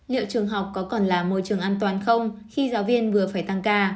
liệu trường học có còn là môi trường an toàn không khi giáo viên vừa phải tăng ca